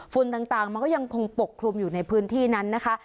ต่างมันก็ยังคงปกคลุมอยู่ในพื้นที่นั้นนะคะ